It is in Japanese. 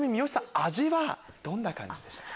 味はどんな感じでしたか？